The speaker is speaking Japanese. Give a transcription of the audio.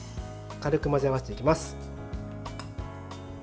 軽く混ぜ合わせていきます。